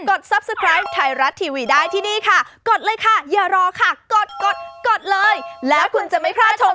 โอ้ดูสีสิอื้อหือ